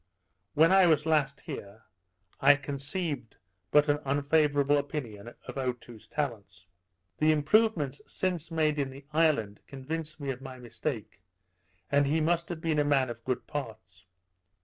When I was last here, I conceived but an unfavourable opinion of Otoo's talents. The improvements since made in the island convinced me of my mistake; and that he must have been a man of good parts.